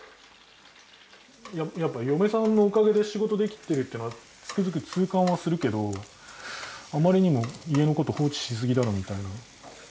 やっぱ嫁さんのおかげで仕事できてるってのはつくづく痛感はするけどあまりにも家のこと放置しすぎだろみたいな。